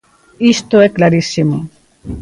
Isto é clarísimo.